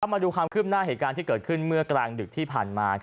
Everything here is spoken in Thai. มาดูความคืบหน้าเหตุการณ์ที่เกิดขึ้นเมื่อกลางดึกที่ผ่านมา